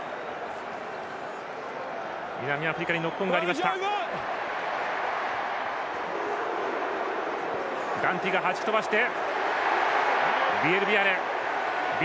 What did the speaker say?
南アフリカにノックオンがありました。